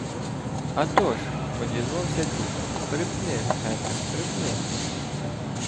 — Атож, — одізвався дід, — припни, Петре, припни.